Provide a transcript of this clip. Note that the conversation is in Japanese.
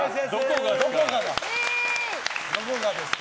どこがですか。